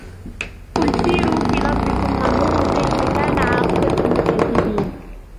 قُلْ سِيرُوا فِي الْأَرْضِ ثُمَّ انْظُرُوا كَيْفَ كَانَ عَاقِبَةُ الْمُكَذِّبِينَ